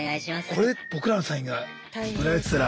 これで僕らのサインが売られてたら。